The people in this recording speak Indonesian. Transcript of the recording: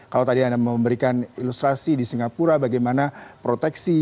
kalau tadi anda memberikan ilustrasi di singapura bagaimana proteksi